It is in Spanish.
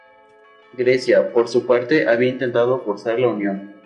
Grecia, por su parte, había intentado forzar la unión.